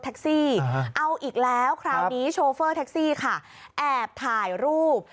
เอาอีกแล้วคราวนี้โชเฟอร์แท็กซี่ค่ะแอบถ่ายรูป